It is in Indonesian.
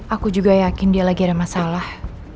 aku juga yakin dia lagi ada masalah